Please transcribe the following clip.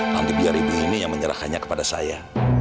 nanti biar ibu ini yang menyerahkannya kepada saya